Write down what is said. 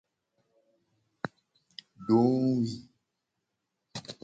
Dohwi.